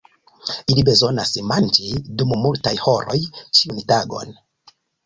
Ili bezonas manĝi dum multaj horoj ĉiun tagon.